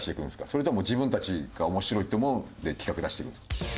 それとも自分たちが面白いと思う企画を出していくんですか？